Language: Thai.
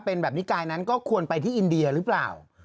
เป็นแบบนิกายนั้นก็ควรไปที่อินเดียหรือเปล่า